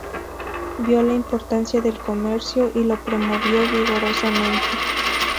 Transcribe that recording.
Vio la importancia del comercio y lo promovió vigorosamente.